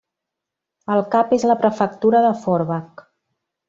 El cap és la prefectura de Forbach.